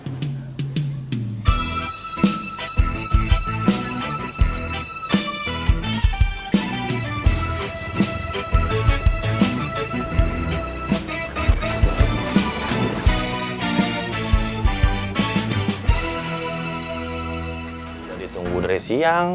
sudah ditunggu dari siang